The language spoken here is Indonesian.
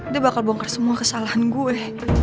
dia bakal bongkar semua kesalahan gue